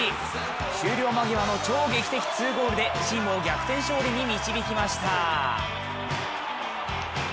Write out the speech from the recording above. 終了間際の超劇的２ゴールでチームを逆転勝利に導きました。